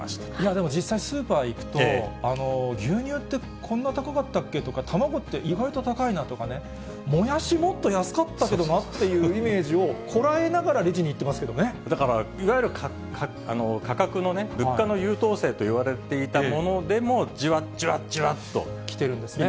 でも実際、スーパー行くと、牛乳ってこんな高かったっけ？とか、卵って意外と高いなとかね、もやし、もっと安かったけどなっていうイメージをこらえながらレだから、いわゆる価格の物価の優等生といわれていたものでも、じわじわじきてるんですね。